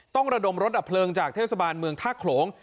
ระดมรถดับเพลิงจากเทศบาลเมืองท่าโขลง